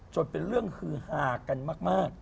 จนเป็นเรื่องคือหากกันมาก